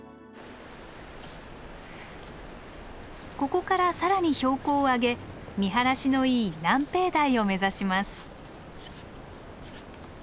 ここから更に標高を上げ見晴らしのいい南平台を目指します。